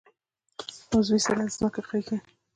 عضوي سره ځمکه قوي کوي.